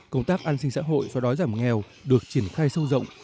công tác an sinh xã hội xóa đói giảm nghèo được triển khai sâu rộng